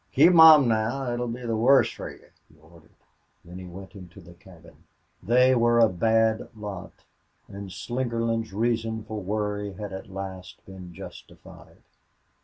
"Keep mum now or it 'll be the wuss fer you," he ordered; then he went into the cabin. They were a bad lot, and Slingerland's reason for worry had at last been justified.